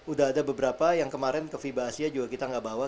udah ada beberapa yang kemarin ke fiba asia juga kita nggak bawa